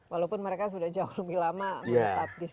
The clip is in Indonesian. walaupun mereka sudah jauh lebih lama menetap disini